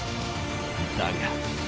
だが。